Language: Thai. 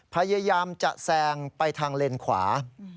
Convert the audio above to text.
พยายามจะแซงไปทางเลนขวา